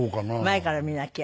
前から見なきゃ。